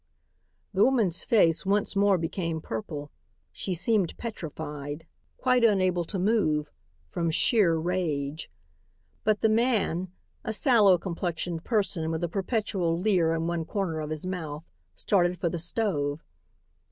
The woman's face once more became purple. She seemed petrified, quite unable to move, from sheer rage. But the man, a sallow complexioned person with a perpetual leer in one corner of his mouth, started for the stove.